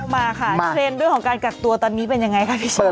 มาค่ะเทรนด์เรื่องของการกักตัวตอนนี้เป็นยังไงคะพี่เชฟ